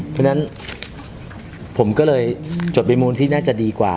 ดังนั้นผมก็เลยจดมนตรีน่าจะดีกว่า